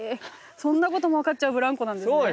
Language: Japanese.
そんなことも分かっちゃうブランコなんですね。